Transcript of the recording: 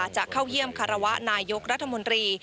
จะเข้าเยี่ยมคารวะนายกรัฐมนตรี